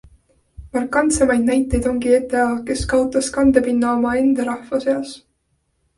Markantsemaid näiteid ongi ETA, kes kaotas kandepinna oma enda rahva seas.